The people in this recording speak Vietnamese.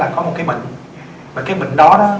có một bệnh